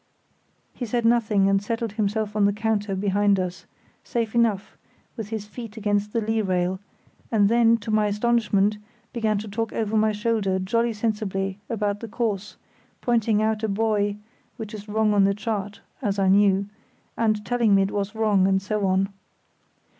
He said nothing, and settled himself on the counter behind us, safe enough, with his feet against the lee rail, and then, to my astonishment, began to talk over my shoulder jolly sensibly about the course, pointing out a buoy which is wrong on the chart (as I knew), and telling me it was wrong, and so on.